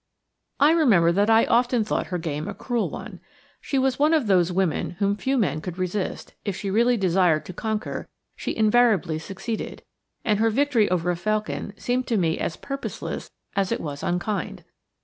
I remember that I often thought her game a cruel one. She was one of those women whom few men could resist; if she really desired to conquer she invariably succeeded, and her victory over Felkin seemed to me as purposeless as it was unkind.